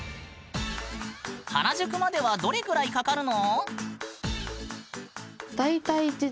原宿まではどれぐらいかかるの？